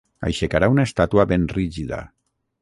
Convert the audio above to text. Aixecarà una estàtua ben rígida.